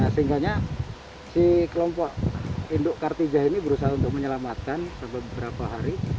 sehingganya si kelompok induk kartija ini berusaha untuk menyelamatkan beberapa hari